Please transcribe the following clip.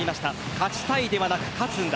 勝ちたいではなく、勝つんだ。